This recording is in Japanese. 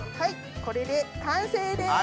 これで完成です。